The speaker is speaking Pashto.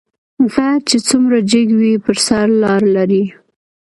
غر چې څومره جګ وي په سر لار لري